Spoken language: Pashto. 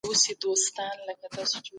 دروغ په مینه کي ډیر خوندور ښکاري.